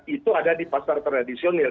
itu ada di pasar tradisional